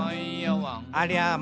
「ありゃま！